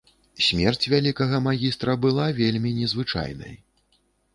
Смерць вялікага магістра была вельмі незвычайнай.